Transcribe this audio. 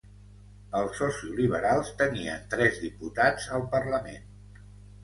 Els socioliberals tenien tres diputats al Parlament.